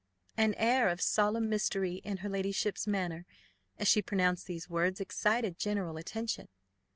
An air of solemn mystery in her ladyship's manner, as she pronounced these words, excited general attention.